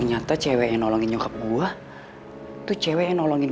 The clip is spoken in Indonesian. nyerang orang yang udah gak berdaya kayak gini